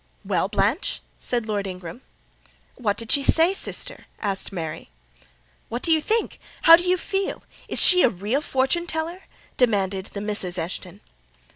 "Well, Blanche?" said Lord Ingram. "What did she say, sister?" asked Mary. "What did you think? How do you feel? Is she a real fortune teller?" demanded the Misses Eshton.